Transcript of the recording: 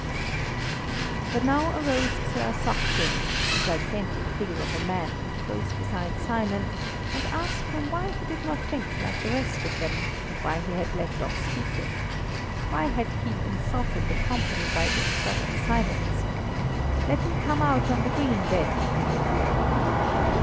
But now arose Sir Saksin, a gigantic figure of a man, close beside Simon, and asked him why he did not drink like the rest of them and why he had left off speaking? Why had he insulted the company by this sudden silence? Let him come out on the green, then, if he would!